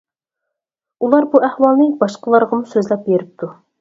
ئۇلار بۇ ئەھۋالنى باشقىلارغىمۇ سۆزلەپ بېرىپتۇ.